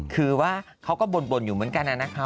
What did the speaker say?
คือว่าเขาก็บ่นอยู่เหมือนกันนะคะ